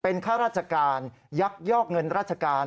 ข้าราชการยักยอกเงินราชการ